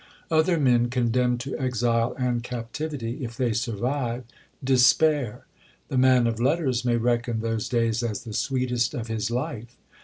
Other men, condemned to exile and captivity, if they survive, despair; the man of letters may reckon those days as the sweetest of his life.